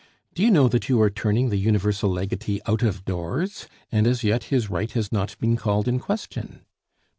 "Do you know that you are turning the universal legatee out of doors, and as yet his right has not been called in question?"